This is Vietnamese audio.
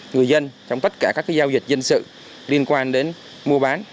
người dân trong tất cả các giao dịch dân sự liên quan đến mua bán